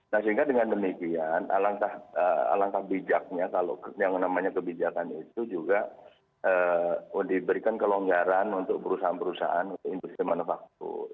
nah sehingga dengan demikian alangkah bijaknya kalau yang namanya kebijakan itu juga diberikan kelonggaran untuk perusahaan perusahaan untuk industri manufaktur